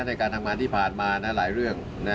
ในการทำงานที่ผ่านมาหลายเรื่อง